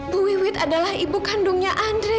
bu wiwit adalah ibu kandungnya andri